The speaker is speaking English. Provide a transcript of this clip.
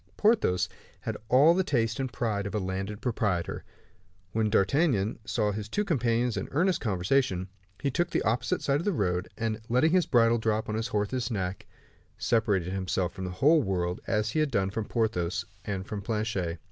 Porthos had all the taste and pride of a landed proprietor. When D'Artagnan saw his two companions in earnest conversation, he took the opposite side of the road, and letting his bridle drop upon his horse's neck, separated himself from the whole world, as he had done from Porthos and from Planchet.